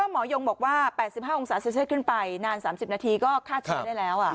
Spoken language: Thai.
หมอยงบอกว่า๘๕องศาเซลเซียตขึ้นไปนาน๓๐นาทีก็ฆ่าเชื้อได้แล้ว